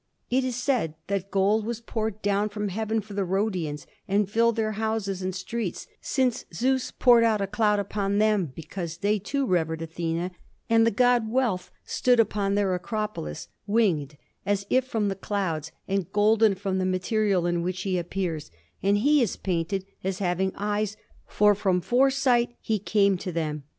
It is said that gold was poured down from heaven for the Rhodians and filled their houses and streets since Zeus poured out a cloud upon them because they, too, revered Athena; and the god Wealth stood upon their acropolis, winged, as if from the clouds and golden from the material in which he appears, and he is painted as having eyes, for from foresight he came to them."